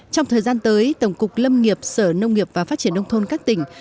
trong thời gian tới tổng cục lâm nghiệp sở nông nghiệp và phát triển nông thôn các tỉnh